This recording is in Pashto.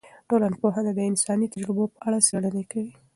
ټولنپوهنه د انساني تجربو په اړه څیړنې کوي.